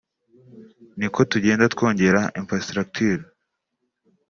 ni ko tugenda twongera infrastructure